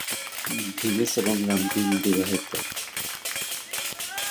Vimes এবং Ramkin বিবাহিত।